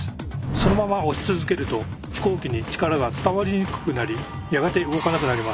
そのまま押し続けると飛行機に力が伝わりにくくなりやがて動かなくなります。